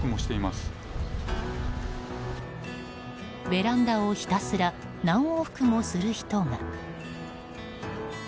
ベランダをひたすら何往復もする人が。